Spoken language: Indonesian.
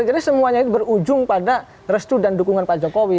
jadi semuanya itu berujung pada restu dan dukungan pak jokowi